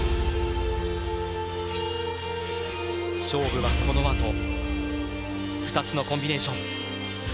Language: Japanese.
勝負は、このあと２つのコンビネーション。